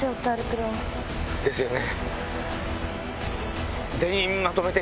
ですよね。